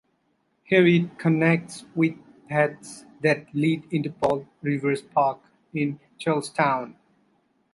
Here it connects with paths that lead into Paul Revere Park in Charlestown.